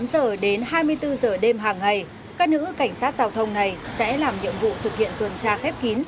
tám giờ đến hai mươi bốn giờ đêm hàng ngày các nữ cảnh sát giao thông này sẽ làm nhiệm vụ thực hiện tuần tra khép kín